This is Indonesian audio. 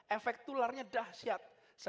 efek tularnya dahsyat